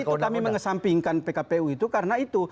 itu kami mengesampingkan pkpu itu karena itu